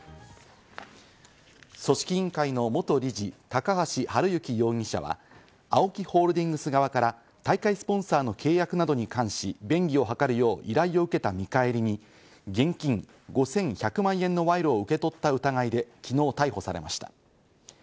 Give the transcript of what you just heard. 組織委員会の元理事・高橋治之容疑者は、ＡＯＫＩホールディングス側から大会スポンサーの契約などに関し、便宜を図るよう依頼を受けた見返りに、現金５１００万円の賄賂を受け取った疑いで昨日逮捕されました。